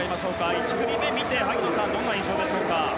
１組目を見て、萩野さんはどんな印象でしょうか？